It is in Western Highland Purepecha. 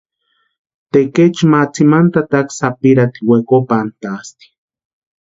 Tekechu ma tsimani tataka sapirhati wekopantʼasti.